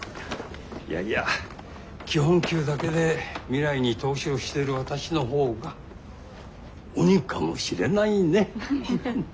いやいや基本給だけで未来に投資をしてる私の方が鬼かもしれないね。